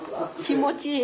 気持ちいい。